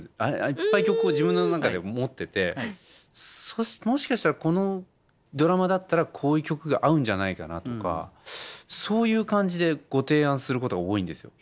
いっぱい曲を自分の中で持っててもしかしたらこのドラマだったらこういう曲が合うんじゃないかなとかそういう感じでご提案することが多いんですよ。